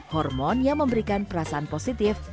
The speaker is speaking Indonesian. hormon yang memberikan perasaan positif